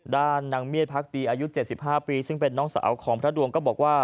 นางเมียดพักดีอายุ๗๕ปีซึ่งเป็นน้องสาวของพระดวงก็บอกว่า